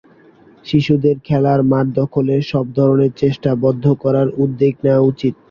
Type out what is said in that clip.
শিশুদের খেলার মাঠ দখলের সব ধরনের চেষ্টা বন্ধ করার উদ্যোগ নেওয়া উচিত।